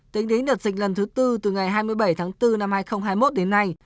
tính đến đợt dịch lần thứ tư từ ngày hai mươi bảy tháng bốn năm hai nghìn hai mươi một đến nay